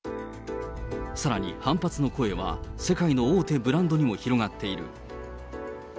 さらに反発の声は、世界の大手ブランドにも広がっている。